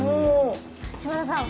嶋田さん